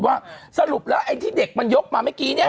ว่าสรุปแล้วไอ้ที่เด็กมันยกมาเมื่อกี้เนี่ย